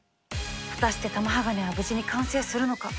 果たして玉鋼は無事に完成するのか？